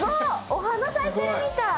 お花咲いてるみたい。